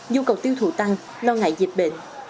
nhu cầu tiêu thụ tăng lo ngại dịp bệnh